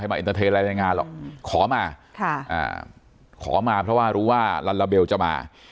ให้มาอะไรในงานหรอกขอมาค่ะอ่าขอมาเพราะว่ารู้ว่าลัลลาเบลจะมา